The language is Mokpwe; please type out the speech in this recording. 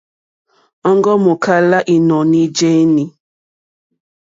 Òŋɡó mòkálá ínɔ̀ní jéní.